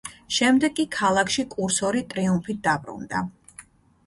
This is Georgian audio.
შემდეგ კი ქალაქში კურსორი ტრიუმფით დაბრუნდა.